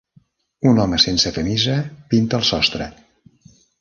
Un home sense camisa pinta el sostre.